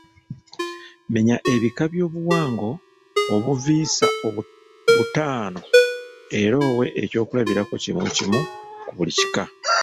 Menya ebika by’obuwango obuviisa butaano era owe ekyokulabirako kimu kimu ku buli kika.